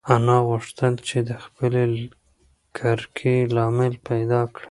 انا غوښتل چې د خپلې کرکې لامل پیدا کړي.